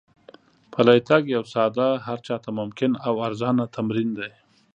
پلی تګ یو ساده، هر چا ته ممکن او ارزانه تمرین دی.